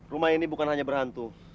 rumah ini bukan hanya berhantu